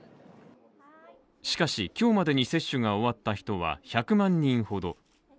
しかし、今日までに接種が終わった人は１００万人ほど。